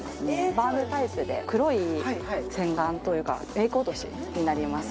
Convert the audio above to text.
バームタイプで黒い洗顔というかメイク落としになります